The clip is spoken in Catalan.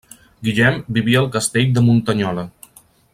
Guillem vivia al castell de Muntanyola.